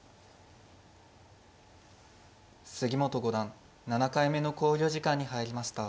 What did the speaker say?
杉本五段７回目の考慮時間に入りました。